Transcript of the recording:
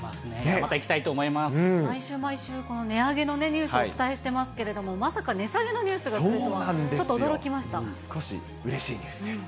また行きたいと毎週毎週、値上げのニュースをお伝えしていますけれども、まさか値下げのニュースが来ると少しうれしいニュースです。